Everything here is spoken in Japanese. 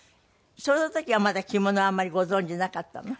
その時はまだ着物はあんまりご存じなかったの？